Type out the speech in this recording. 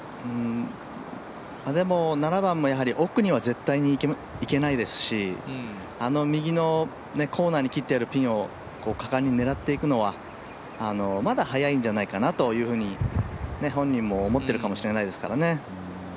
でも７番も奥には絶対にいけないですしあの右のコーナーに切ってあるピンを果敢に狙っていくのはまだ早いんじゃないかというふうに本人も思っているかもしれないですからね。